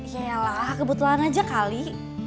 yalah kebetulan aja kali